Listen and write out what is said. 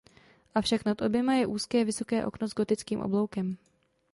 Avšak nad oběma je úzké vysoké okno s gotickým obloukem.